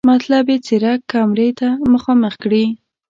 مطلب یې څېره کمرې ته مخامخ کړي.